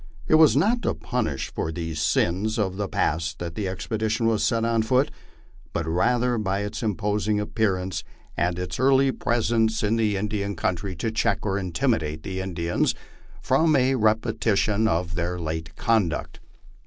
It was not to punish for these sins of the past that the expedition was set on foot, but rather by its imposing appearance and its early presence in the MY LIFE ON THE PLAINS. 23 Indian country to check or intimidate the Indians from a repetition of their late conduct.